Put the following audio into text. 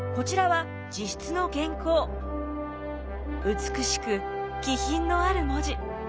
美しく気品のある文字。